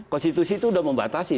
konstitusi itu sudah membatasi